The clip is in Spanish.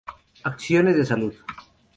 Acciones de salud.